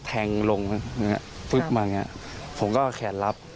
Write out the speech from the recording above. แทงลงปุ๊บมาอย่างเงี้ยผมก็แขนรับ